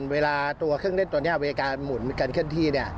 เวลาตัวเครื่องเล่นตัวนี้เวลาการหมุนการเคลื่อนที่